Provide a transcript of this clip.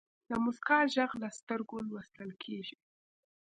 د موسکا ږغ له سترګو لوستل کېږي.